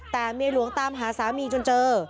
แต่เมียหลวงตามหาสามีจนเจอ